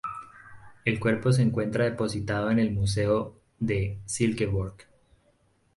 El cuerpo se encuentra depositado en el Museo de Silkeborg.